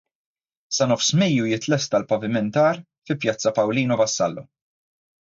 Sa nofs Mejju, jitlesta l-pavimentar fi Pjazza Paolino Vassallo.